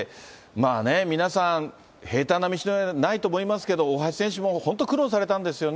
まあね、皆さん平たんな道のりではないと思いますけれども、大橋選手も本当、苦労されたんですよね。